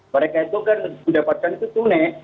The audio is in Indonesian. mereka itu kan mendapatkan itu tunai